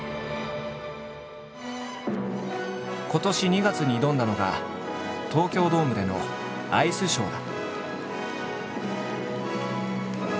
今年２月に挑んだのが東京ドームでのアイスショーだ。